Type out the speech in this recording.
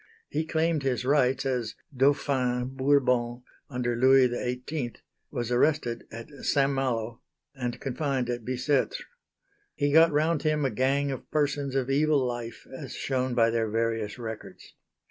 He claimed his rights, as "Dauphin" Bourbon under Louis XVIII, was arrested at St. Malo, and confined at Bicêtre. He got round him a gang of persons of evil life, as shown by their various records.